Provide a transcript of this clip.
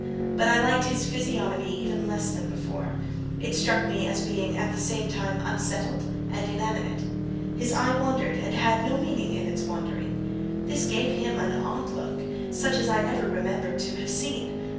But I liked his physiognomy even less than before: it struck me as being at the same time unsettled and inanimate. His eye wandered, and had no meaning in its wandering: this gave him an odd look, such as I never remembered to have seen.